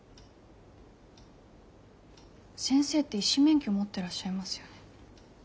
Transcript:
先生って医師免許持ってらっしゃいますよね？